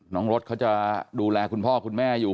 รถเขาจะดูแลคุณพ่อคุณแม่อยู่